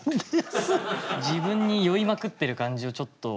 自分に酔いまくってる感じをちょっと。